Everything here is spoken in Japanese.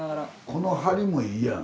この梁もいいやん。